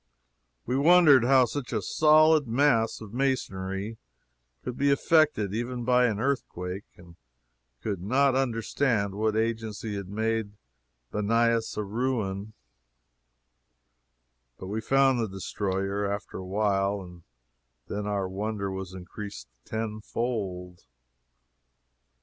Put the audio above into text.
We wondered how such a solid mass of masonry could be affected even by an earthquake, and could not understand what agency had made Banias a ruin; but we found the destroyer, after a while, and then our wonder was increased tenfold.